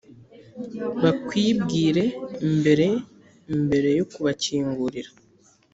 bakwibwire mbere mbere yo kubakingurira